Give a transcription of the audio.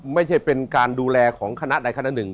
ไม่ใช่เป็นการดูแลของคณะใดคณะหนึ่ง